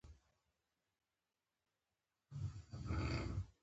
که لس لوحې وي، ستونزه نه وي.